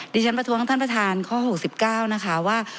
ประท้วงท่านประธานข้อ๖๙นะคะว่า